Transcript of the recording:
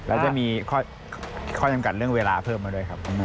แล้วจะมีข้อจำกัดเรื่องเวลาเพิ่มมาด้วยครับ